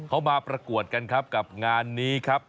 เขามาประกวดกันครับกับงานนี้ครับ